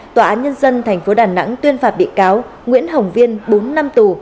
tòa án nhân dân thành phố đà nẵng tuyên phạt bị cáo nguyễn hồng viên bốn năm tù